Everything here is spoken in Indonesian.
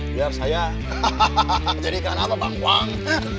biar saya menjadikan nama bang wang